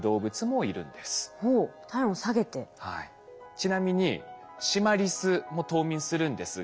ちなみにシマリスも冬眠するんですが。